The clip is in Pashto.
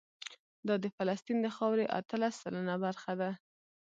دا د فلسطین د خاورې اتلس سلنه برخه ده.